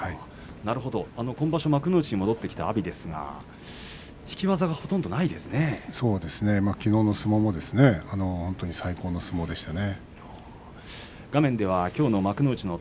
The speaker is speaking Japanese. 今場所幕内に戻ってきた阿炎ですがきのうの相撲も本当に最高の相撲でしたね。